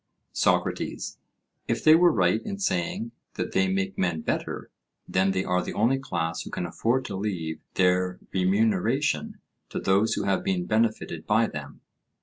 SOCRATES: If they were right in saying that they make men better, then they are the only class who can afford to leave their remuneration to those who have been benefited by them.